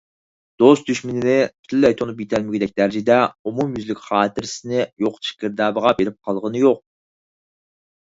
دوست - دۈشمىنىنى پۈتۈنلەي تونۇپ يېتەلمىگۈدەك دەرىجىدە ئومۇميۈزلۈك خاتىرىسىنى يوقىتىش گىردابىغا بېرىپ قالغىنى يوق.